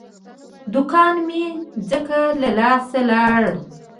دوکان مې ځکه له لاسه لاړ.